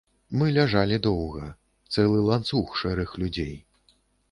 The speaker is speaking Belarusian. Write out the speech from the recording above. Мы ляжалі доўга, цэлы ланцуг шэрых людзей.